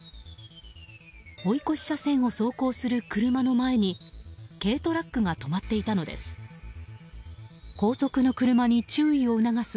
追い越し車線を走行する車の前に軽トラックが止まっていたのです。